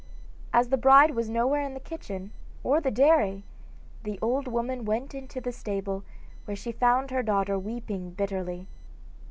As the bride was nowhere in the kitchen or the dairy, the old woman went into the stable, where she found her daughter weeping bitterly.